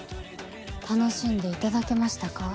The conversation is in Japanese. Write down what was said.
楽しんでいただけましたか？